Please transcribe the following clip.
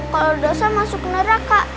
kalo dosa masuk neraka